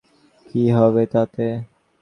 কী হবে তাতে?